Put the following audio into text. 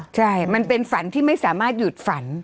ใช่มันเป็นฝันที่ไม่สามารถหยุดฝัน